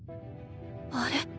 あれ？